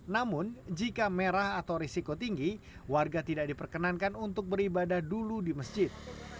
namun jika merah atau risiko tinggi warga tidak diperkenankan untuk beribadah dulu di masjid